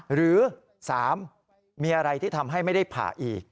หรือ๓มีอะไรที่ทำให้ไม่ได้ผ่าอีก